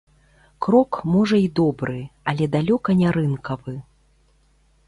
Крок, можа, і добры, але далёка не рынкавы.